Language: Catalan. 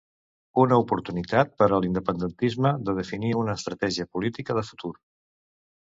Una oportunitat per a l'independentisme de definir una estratègia política de futur.